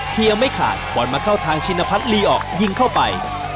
เพียงไม่ขาดปล่อนมาเข้าทางชินพันธ์ลีออกยิงเข้าไป